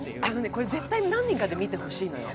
これ絶対に何人かで見てほしいのよ。